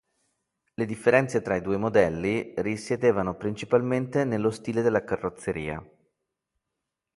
Le differenze tra i due modelli risiedevano principalmente nello stile della carrozzeria.